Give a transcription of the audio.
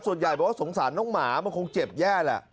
ส่วนใหญ่บอกว่าสงสารน้องหมามันคงเจ็บแย่แหละ